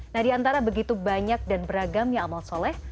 nah diantara begitu banyak dan beragamnya amal soleh